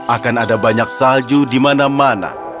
akan ada banyak salju di mana mana